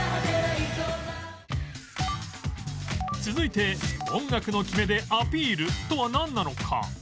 続いて「音楽のキメでアピール！」とはなんなのか？